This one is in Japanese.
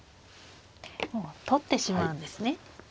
もう取ってしまうんですね。